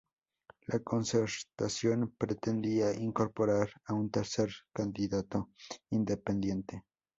La Concertación pretendía incorporar a un tercer candidato independiente.